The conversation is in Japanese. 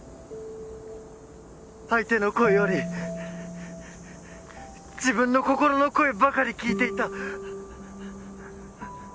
相手の声より自分の心の声ばかり聞いていた。